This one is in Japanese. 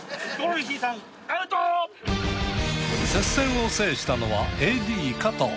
接戦を制したのはＡＤ加藤。